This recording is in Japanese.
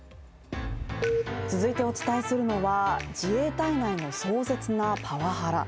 続いてお伝えするのは自衛隊内の壮絶なパワハラ。